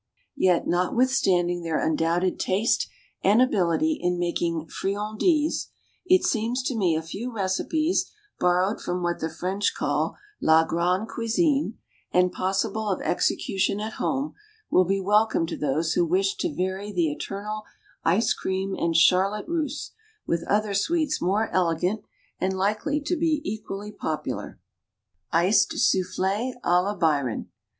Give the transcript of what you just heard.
Yet, notwithstanding their undoubted taste and ability in making "friandises," it seems to me a few recipes borrowed from what the French call la grande cuisine, and possible of execution at home, will be welcome to those who wish to vary the eternal ice cream and charlotte russe, with other sweets more elegant and likely to be equally popular. ICED SOUFFLÉ À LA BYRON.